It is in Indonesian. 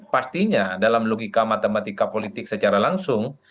pastinya dalam logika matematika politik secara langsung